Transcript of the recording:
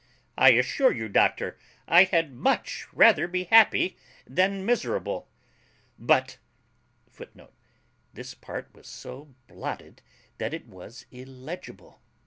I assure you, doctor, I had much rather be happy than miserable. But [Footnote: This part was so blotted that it was illegible.